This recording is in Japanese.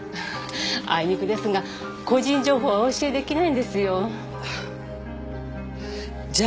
あいにくですが個人情報はお教えできないんですよじゃ